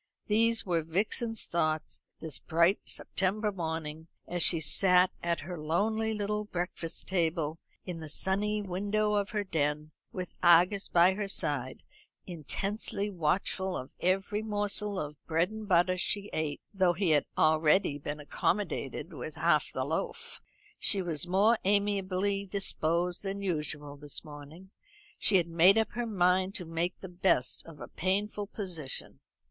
These were Vixen's thoughts this bright September morning, as she sat at her lonely little breakfast table in the sunny window of her den, with Argus by her side, intensely watchful of every morsel of bread and butter she ate, though he had already been accommodated with half the loaf. She was more amiably disposed than usual this morning. She had made up her mind to make the best of a painful position.